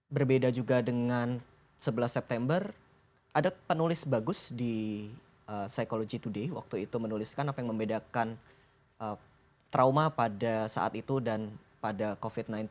berbeda juga dengan sebelas september ada penulis bagus di psychologi waktu itu menuliskan apa yang membedakan trauma pada saat itu dan pada covid sembilan belas